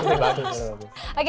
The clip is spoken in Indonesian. hasilnya pasti bagus